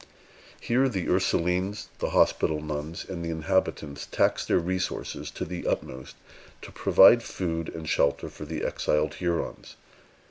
Here the Ursulines, the hospital nuns, and the inhabitants taxed their resources to the utmost to provide food and shelter for the exiled Hurons.